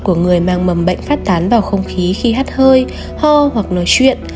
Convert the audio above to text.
của người mang mầm bệnh phát tán vào không khí khi hát hơi ho hoặc nói chuyện